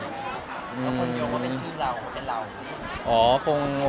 ละคนโยงเป็นชื่อเราเป็นเรา